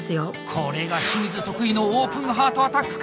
これが清水得意のオープンハートアタックか！